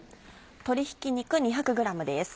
鶏ひき肉２００ｇです。